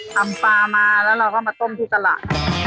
ทำปลามาแล้วเราก็มาต้มที่ตลาด